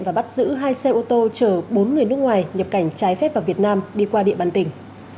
và bắt giữ hai xe ô tô chở bốn người nước ngoài nhập cảnh trái phép vào việt nam đi qua địa bàn tỉnh